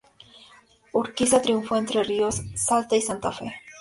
Urquiza triunfó en Entre Ríos, Salta y Santa Fe.